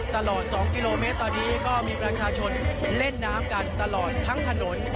ตลอด๒กิโลเมตรตอนนี้ก็มีประชาชนเล่นน้ำกันตลอดทั้งถนน